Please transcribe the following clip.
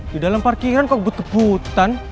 di dalam parkiran kok but butan